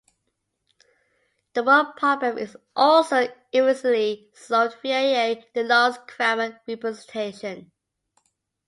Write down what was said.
The word problem is also efficiently solved via the Lawrence-Krammer representation.